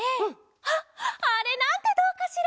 あっあれなんてどうかしら？